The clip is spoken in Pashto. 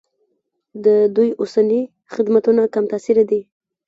د دوی اوسني خدمتونه کم تاثیره دي.